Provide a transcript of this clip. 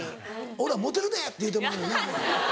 俺は「モテるで！」って言うてまうもんな。